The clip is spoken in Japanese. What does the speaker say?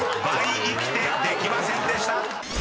［倍生きてできませんでした］